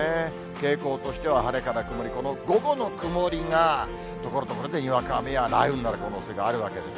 傾向としては晴れから曇り、この午後の曇りが、ところどころでにわか雨や雷雨になる可能性があるわけです。